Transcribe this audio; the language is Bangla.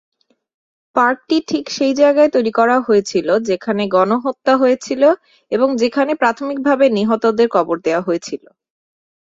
পার্কটি ঠিক সেই জায়গায় তৈরি করা হয়েছিল যেখানে গণহত্যা হয়েছিল এবং যেখানে প্রাথমিকভাবে নিহতদের কবর দেওয়া হয়েছিল।